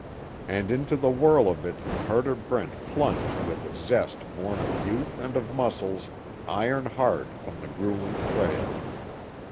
And into the whirl of it Carter Brent plunged with a zest born of youth and of muscles iron hard from the gruelling trail.